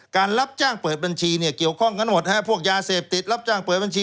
รับจ้างเปิดบัญชีเนี่ยเกี่ยวข้องกันหมดฮะพวกยาเสพติดรับจ้างเปิดบัญชี